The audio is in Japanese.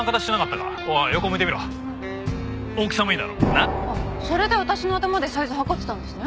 あっそれで私の頭でサイズ測ってたんですね？